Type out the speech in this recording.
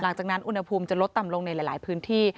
หลังจากนั้นอุณหภูมิจะลดต่ำลงในหลายพื้นที่